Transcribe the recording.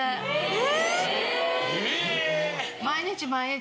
え！